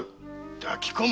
抱き込む？